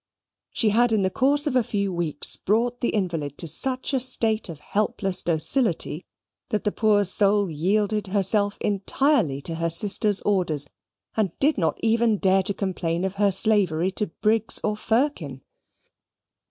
She had in the course of a few weeks brought the invalid to such a state of helpless docility, that the poor soul yielded herself entirely to her sister's orders, and did not even dare to complain of her slavery to Briggs or Firkin.